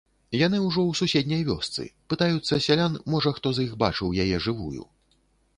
Яны ўжо ў суседняй вёсцы, пытаюцца сялян, можа, хто з іх бачыў яе жывую.